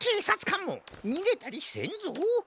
かんもにげたりせんぞ！